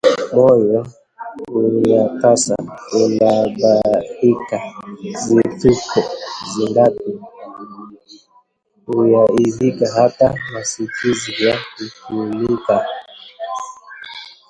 Moyo, huyatasa kunabihika, zituko zingapi huyaidhika? Hata masikizi ya kupulika,